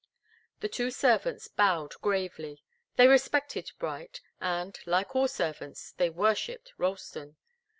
The two servants bowed gravely. They respected Bright, and, like all servants, they worshiped Ralston.